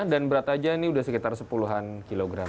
dan berat aja ini udah sekitar sepuluhan kilogram